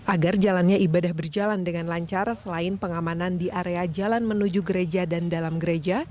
agar jalannya ibadah berjalan dengan lancar selain pengamanan di area jalan menuju gereja dan dalam gereja